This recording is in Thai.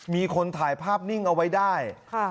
มีคนถ่ายภาพนิ่งเอาไว้ได้